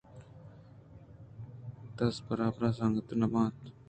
دزبرادر ءُ سنگت نہ بیت